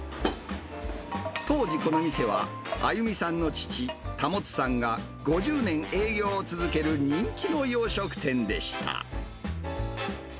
当時、この店は、亜友美さんの父、保さんが５０年営業を続ける人気の洋食店でした。